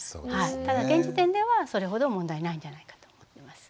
ただ現時点ではそれほど問題ないんじゃないかと思ってます。